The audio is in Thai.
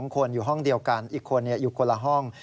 ๒คนอยู่ห้องเดียวกันอีกคนอยู่คนละห้อง